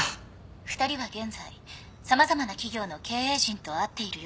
２人は現在様々な企業の経営陣と会っているようです。